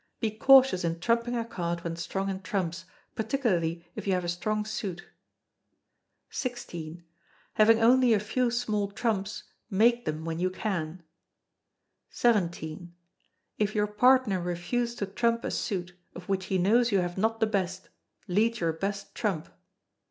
Be cautious in trumping a card when strong in trumps, particularly if you have a strong suit. xvi. Having only a few small trumps, make them when you can. xvii. If your partner refuse to trump a suit, of which he knows you have not the best, lead your best trump.